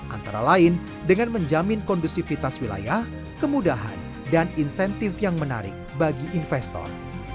antara lain dengan menjamin kondusivitas wilayah kemudahan dan insentif yang menarik bagi investor